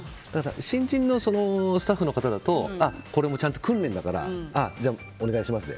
新人のスタッフの方だとこれも訓練だからお願いしますで。